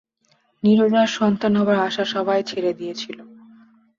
নীরজার সন্তান হবার আশা সবাই ছেড়ে দিয়েছিল।